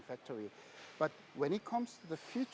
tapi ketika berhubungan ke masa depan